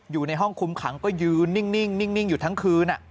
อยู่ในห้องคุมขังก็ยืนนิ่งอยู่ทั้งคืน